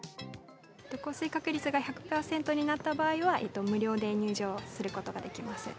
降水確率が１００％になった場合は、無料で入場することができます。